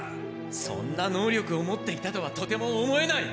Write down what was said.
そんな能力を持っていたとはとても思えない！